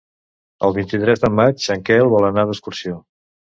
El vint-i-tres de maig en Quel vol anar d'excursió.